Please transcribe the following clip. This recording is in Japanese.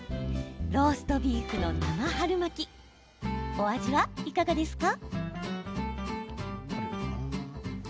ローストビーフの生春巻きお味はいかがですか？